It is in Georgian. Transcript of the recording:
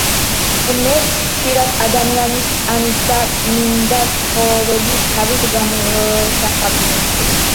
ღმერთს ხშირად ადამიანის ტანითა და წმინდა ცხოველის თავით გამოსახავდნენ.